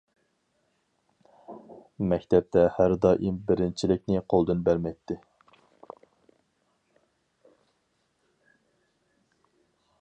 مەكتەپتە ھەم دائىم بىرىنچىلىكنى قولدىن بەرمەيتتى.